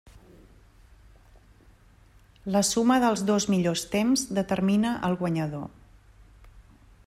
La suma dels dos millors temps determina al guanyador.